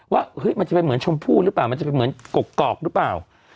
ว่ามันจะเป็นเหมือนชมพู่หรือเปล่ามันจะเป็นเหมือนกกอกหรือเปล่า